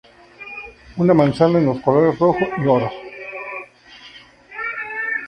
Una manzana en los colores rojo y oro.